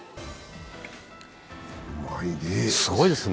すごいですね。